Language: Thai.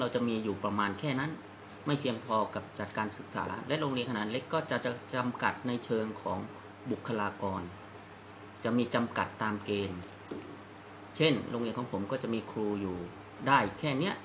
จะมีจำกัดตามเกณฑ์เช่นโรงเรียนของผมก็จะมีครูอยู่ได้แค่เนี้ย